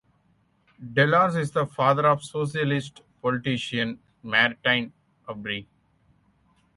Delors is the father of Socialist politician Martine Aubry.